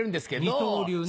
二刀流ね。